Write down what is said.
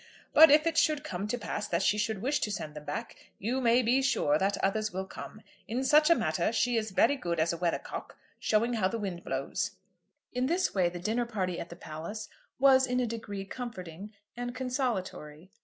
But if it should come to pass that she should wish to send them back, you may be sure that others will come. In such a matter she is very good as a weathercock, showing how the wind blows." In this way the dinner party at the palace was in a degree comforting and consolatory.